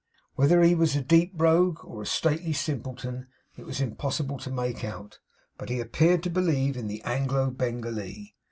Whether he was a deep rogue, or a stately simpleton, it was impossible to make out, but he appeared to believe in the Anglo Bengalee.